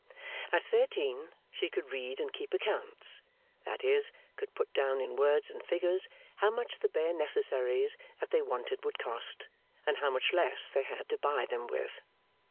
At thirteen, she could read and keep accounts, that is, could put down in words and figures how much the bare necessaries that they wanted would cost, and how much less they had to buy them with.